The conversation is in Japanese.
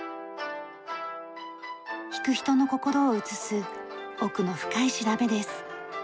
弾く人の心を映す奥の深い調べです。